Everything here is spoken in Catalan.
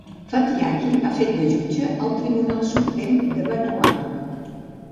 Fatiaki ha fet de jutge al Tribunal Suprem de Vanuatu.